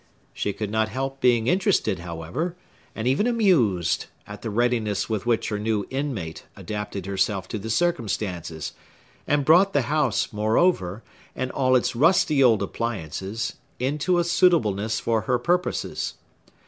She could not help being interested, however, and even amused, at the readiness with which her new inmate adapted herself to the circumstances, and brought the house, moreover, and all its rusty old appliances, into a suitableness for her purposes.